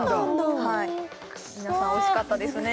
はい皆さん惜しかったですね